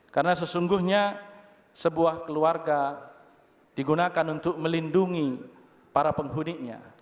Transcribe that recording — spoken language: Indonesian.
karena sesungguhnya sebuah keluarga digunakan untuk melindungi para penghuninya